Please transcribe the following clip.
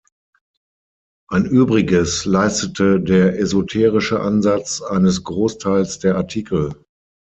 Ein Übriges leistete der esoterische Ansatz eines Großteils der Artikel.